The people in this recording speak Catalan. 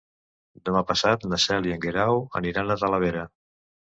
Demà passat na Cel i en Guerau aniran a Talavera.